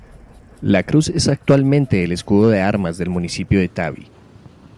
La cruz es actualmente el escudo de armas del municipio de Täby.